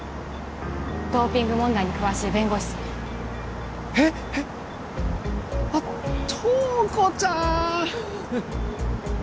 ドーピング問題に詳しい弁護士さんえっえっあっ塔子ちゃん